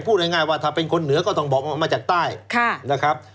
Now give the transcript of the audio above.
พูดง่ายว่าถ้าเป็นคนเหนือก็ต้องบอกว่ามาจากใต้นะครับ